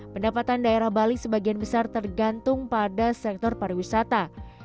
pendapatan daerah bali sebagian besar tergantung pada sektor pariwisata